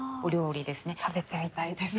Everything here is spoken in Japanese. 食べてみたいですね。